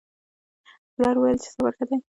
پلار وویل چې صبر ښه دی.